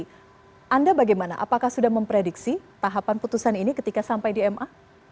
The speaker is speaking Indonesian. tapi anda bagaimana apakah sudah memprediksi tahapan putusan ini ketika sampai di ma